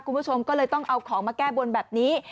คุณผู้ชมก็เลยต้องเอาของมาแก้บนแบบนี้